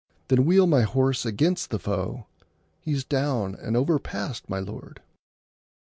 — Then wheel my horse against the foe!— He's down and overpast, my lord.